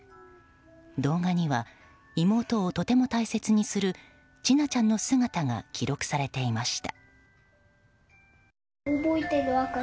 動画には、妹をとても大切にする千奈ちゃんの姿が記録されていました。